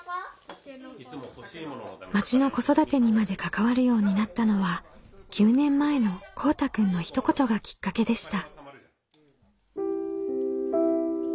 町の子育てにまで関わるようになったのは９年前のこうたくんのひと言がきっかけでした。